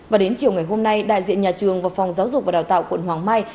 và đến chiều ngày hôm nay đại diện nhà trường và phòng giáo dục và đào tạo quận hoàng mai